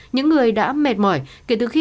những người đã mệt mỏi kể từ khi